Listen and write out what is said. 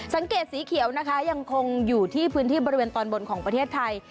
สังเกตสีเขียวนะคะยังคงอยู่ที่พื้นที่บริเวณตอนบนของประเทศไทย